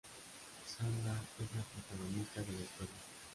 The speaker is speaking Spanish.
Sana es la protagonista de la historia.